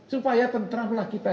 supaya tentramlah kita